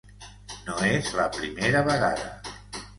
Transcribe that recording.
No és la primera vegada.